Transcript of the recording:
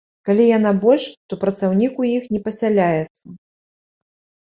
Калі яна больш, то працаўнік у іх не пасяляецца.